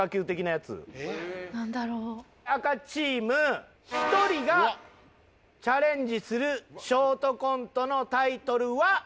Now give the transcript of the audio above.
・何だろう・赤チーム１人がチャレンジするショートコントのタイトルは。